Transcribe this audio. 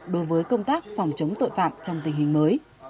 đối với công tác phòng chống tội phạm trong tình hình mới